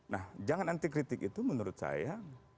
nah jangan anti kritik itu menurut saya